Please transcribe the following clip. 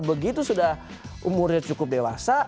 begitu sudah umurnya cukup dewasa